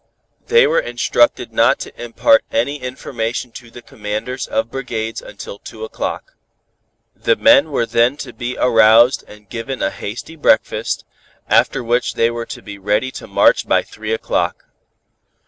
They were instructed not to impart any information to the commanders of brigades until two o'clock. The men were then to be aroused and given a hasty breakfast, after which they were to be ready to march by three o'clock.